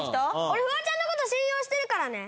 俺フワちゃんのこと信用してるからね。